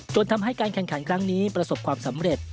จนทำให้การแข่งขันครั้งนี้ประสบความสำเร็จ